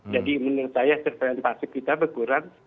jadi menurut saya surveillance pasif kita berkurang